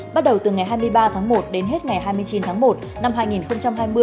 bắt đầu từ ngày hai mươi ba tháng một đến hết ngày hai mươi chín tháng một năm hai nghìn hai mươi